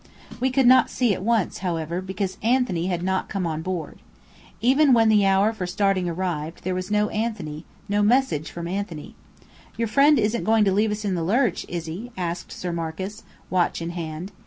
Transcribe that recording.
We could not "see" at once, however, because Anthony had not come on board. Even when the hour for starting arrived, there was no Anthony, no message from Anthony. "Your friend isn't going to leave us in the lurch, is he?" asked Sir Marcus, watch in hand.